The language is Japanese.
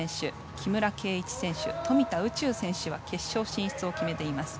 木村敬一選手、富田宇宙選手は決勝進出を決めています。